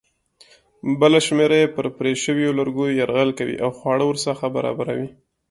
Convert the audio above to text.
بله شمېره یې پر پرې شویو لرګیو یرغل کوي او خواړه ورڅخه برابروي.